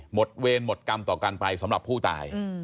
เวรหมดกรรมต่อกันไปสำหรับผู้ตาย